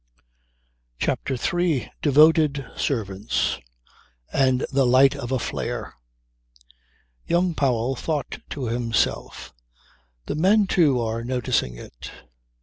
CHAPTER THREE DEVOTED SERVANTS AND THE LIGHT OF A FLARE Young Powell thought to himself: "The men, too, are noticing it."